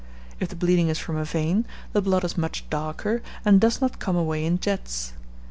If the bleeding is from a vein, the blood is much darker, and does not come away in jets.